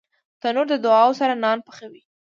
تنور د دعاوو سره نان پخوي